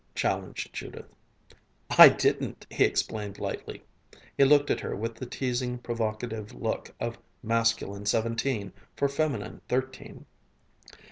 challenged Judith. "I didn't," he explained lightly. He looked at her with the teasing, provocative look of masculine seventeen for feminine thirteen.